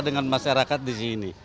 dengan masyarakat di sini